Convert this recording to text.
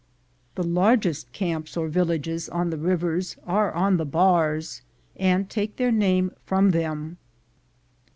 The largest camps or villages on the rivers are on the bars, and take their name from them.